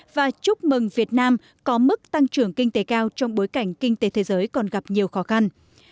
và chúc mừng việt nam có mức tăng trưởng kinh tế cao trong bối cảnh kinh tế thế giới còn gặp nhiều khó khăn